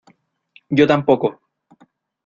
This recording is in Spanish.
yo tampoco.